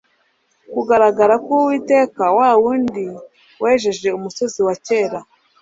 Kugaragara k'Uwiteka, wa wundi wejeje umusozi wa kera,